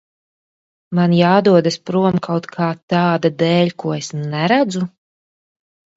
Man jādodas prom kaut kā tāda dēļ, ko es neredzu?